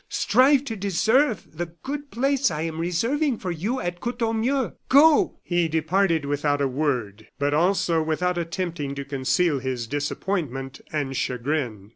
Strive to deserve the good place I am reserving for you at Courtornieu. Go!" He departed without a word, but also without attempting to conceal his disappointment and chagrin.